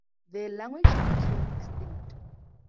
Their language became extinct.